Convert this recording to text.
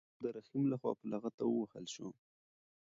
ور د رحیم لخوا په لغته ووهل شو.